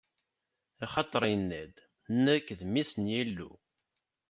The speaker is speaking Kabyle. Axaṭer inna-d: Nekk, d Mmi-s n Yillu.